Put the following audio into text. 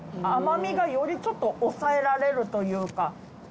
甘味がよりちょっと抑えられるというか。